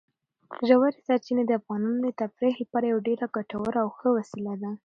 ژورې سرچینې د افغانانو د تفریح لپاره یوه ډېره ګټوره او ښه وسیله ده.